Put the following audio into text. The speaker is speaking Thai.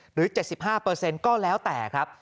หรือ๗๕ก็แล้วแต่ครับ